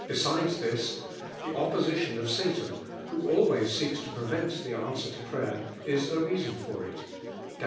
sides this, fhe opposition of Satan, who always seeks .to prevent the answer to i'layi r, is a reason for if (Dan.